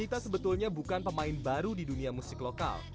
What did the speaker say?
rita sebetulnya bukan pemain baru di dunia musik lokal